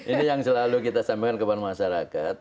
ini yang selalu kita sampaikan kepada masyarakat